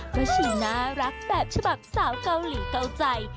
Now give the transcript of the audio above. ก็ชูน่ารักแบบฉบับสาวเกาหลีเกาใจ